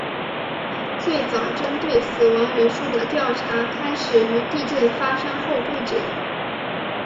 最早针对死亡人数的调查开始于地震发生后不久。